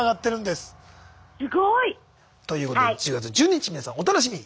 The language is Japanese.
すごい！ということで１０月１２日皆さんお楽しみに。